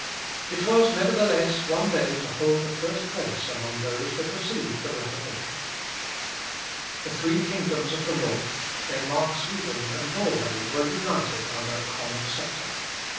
It was, nevertheless, one day to hold a first place among those that received the Reformation. The three kingdoms of the North, Denmark, Sweden, and Norway, were united under a common sceptre.